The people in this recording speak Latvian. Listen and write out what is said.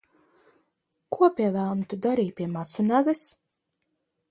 Ko, pie velna, tu darīji pie Matsunagas?